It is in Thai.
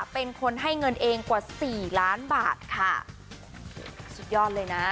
เป็นคนให้เงินเองกว่าสี่ล้านบาทค่ะสุดยอดเลยนะ